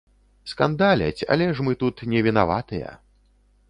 Скандаляць, але ж мы тут не вінаватыя.